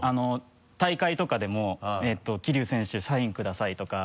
大会とかでも「桐生選手サインください」とか。